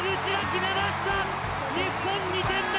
日本２点目！